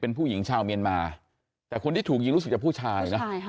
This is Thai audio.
เป็นผู้หญิงชาวเมียนมาแต่คนที่ถูกยิงรู้สึกจะผู้ชายนะใช่ค่ะ